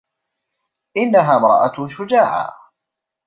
إنّها امرأة شجاعة.